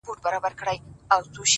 • خریدار به دي راغلی د اوربل وي ,